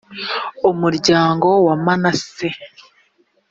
umuryango wa manase